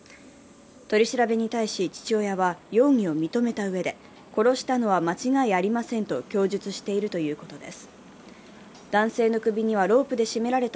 取り調べに対し父親は容疑を認めたうえで、殺したのは間違いありませんと供述しているということです。